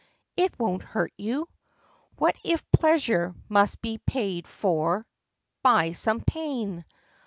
It won't hurt you. What if pleasure must be paid for By some pain